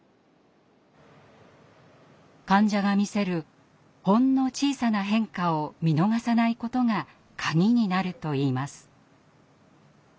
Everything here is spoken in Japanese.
患者が見せるほんの小さな変化を見逃さないことが鍵になるといいます。